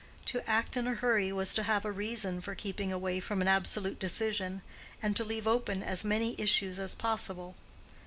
To act in a hurry was to have a reason for keeping away from an absolute decision, and to leave open as many issues as possible.